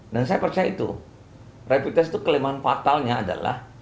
dan saya percaya itu rapid test itu kelemahan fatalnya adalah